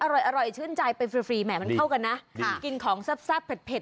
อร่อยชื่นใจไปฟรีแหมมันเข้ากันนะกินของแซ่บเผ็ด